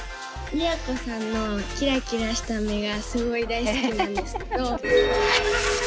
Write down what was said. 都さんのキラキラした目がすごい大好きなんですけど。